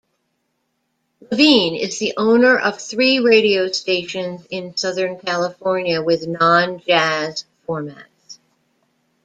Levine is the owner of three radio stations in Southern California with non-jazz formats.